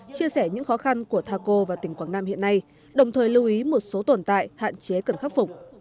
chia sẻ những khó khăn của thaco và tỉnh quảng nam hiện nay đồng thời lưu ý một số tồn tại hạn chế cần khắc phục